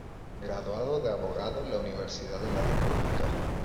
Graduado de abogado en la Universidad de la República.